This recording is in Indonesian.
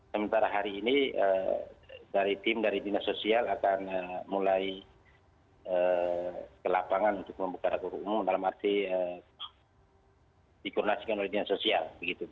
sementara hari ini dari tim dari dinas sosial akan mulai ke lapangan untuk membuka dapur umum dalam arti dikoordinasikan oleh dinas sosial